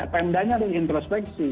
pmd nya ada introspeksi